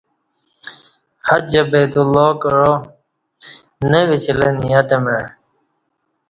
حج بیت اللہ کعا نہ وچیلہ نیت مع